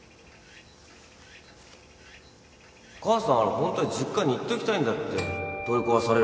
母さんあれホントは実家に行っときたいんだって取り壊される前に